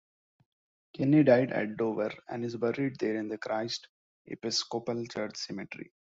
Kenney died at Dover and is buried there in the Christ Episcopal Church Cemetery.